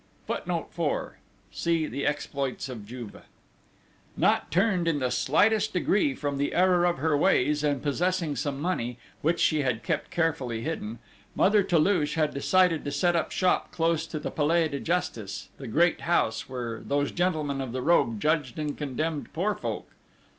[Footnote 4: See The Exploits of Juve.] Not turned in the slightest degree from the error of her ways, and possessing some money, which she had kept carefully hidden, Mother Toulouche had decided to set up shop close to the Palais de Justice, that Great House where those gentlemen of the robe judged and condemned poor folk!